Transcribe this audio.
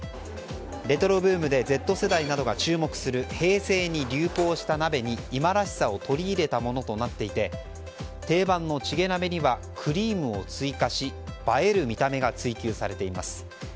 レトロブームでＺ世代などが注目する平成に流行した鍋に、今らしさを取り入れたものとなっていて定番のチゲ鍋にはクリームを追加し映える見た目が追求されています。